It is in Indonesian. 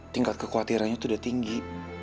tingkat kekhawatirannya tuh udah tinggi